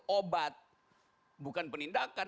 obat bukan penindakan